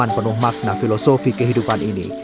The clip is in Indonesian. dan penuh makna filosofi kehidupan ini